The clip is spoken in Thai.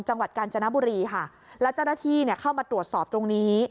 กาญจนบุรีค่ะแล้วเจ้าหน้าที่เนี่ยเข้ามาตรวจสอบตรงนี้